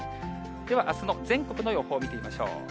ではあすの全国の予報を見てみましょう。